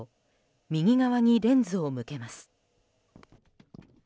右側にレンズを向けます。